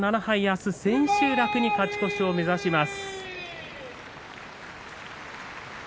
明日、千秋楽に勝ち越しを目指します。